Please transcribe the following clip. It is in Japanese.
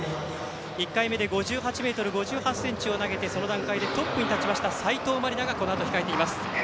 １回目で５８ｍ５８ｃｍを投げてその段階でトップに立った斉藤真理菜がこのあと控えます。